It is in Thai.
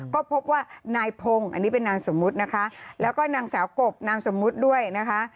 ก็พบว่านายพงศ์อันนี้เป็นนามสมมุตินะคะแล้วก็นางสาวกบนามสมมุติด้วยนะคะ